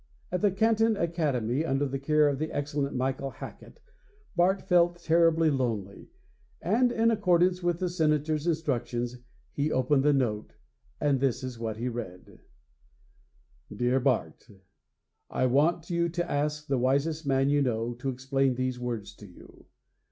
At the Canton Academy, under the care of the excellent Michael Hacket, Bart felt terribly lonely, and, in accordance with the Senator's instructions, he opened the note. And this is what he read: 'Dear Bart, I want you to ask the wisest man you know to explain these words to you.